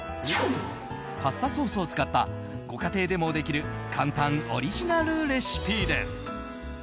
パスタソースを使ったご家庭でもできる簡単オリジナルレシピです。